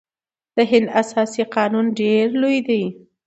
د هند اساسي قانون ډیر لوی دی.